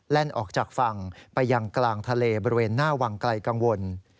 ออกจากฝั่งไปยังกลางทะเลบริเวณหน้าวังไกลกังวล